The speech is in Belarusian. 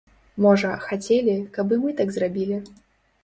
Можа, хацелі, каб і мы так зрабілі.